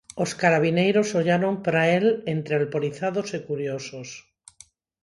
Os carabineiros ollaron pra el entre alporizados e curiosos.